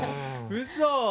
うそ！